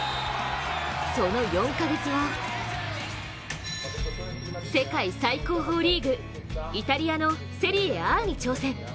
その４か月後世界最高峰リーグ、イタリアのセリエＡに挑戦。